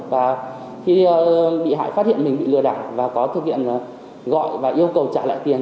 và khi bị hại phát hiện mình bị lừa đảo và có thực hiện gọi và yêu cầu trả lại tiền